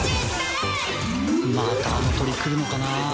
またあの鳥来るのかなあ。